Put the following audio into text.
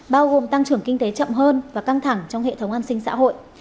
bao gồm tăng trưởng kinh tế chậm hơn và căng thẳng trong hệ thống an sinh xã hội